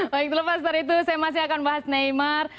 baik terlepas dari itu saya masih akan bahas neymar